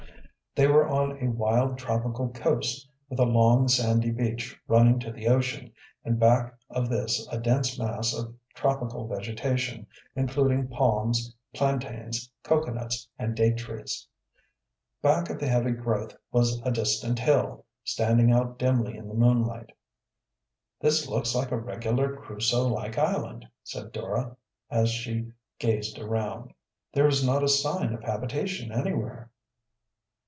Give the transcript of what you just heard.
They were on a wild, tropical coast, with a long, sandy beach running to the ocean, and back of this a dense mass of tropical vegetation, including palms, plantains, cocoanuts, and date trees. Back of the heavy growth was a distant hill, standing out dimly in the moonlight. "This looks like a regular Crusoe like island," said Dora, as she gazed around. "There is not a sign of a habitation anywhere."